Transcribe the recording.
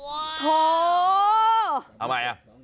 โอ้โหทำไมอ่ะ